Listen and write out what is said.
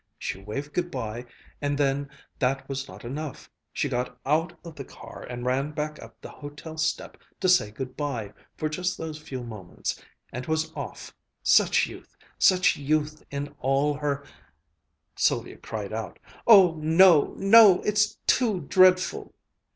She waved good bye, and then that was not enough; she got out of the car and ran back up the hotel step to say good bye for just those few moments and was off such youth! such youth in all her " Sylvia cried out, "Oh, no! no! it's too dreadful!"